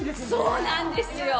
そうなんですよ！